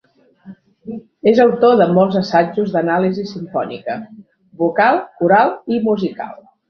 És autor de molts assajos d'anàlisi simfònica, vocal, coral i musical.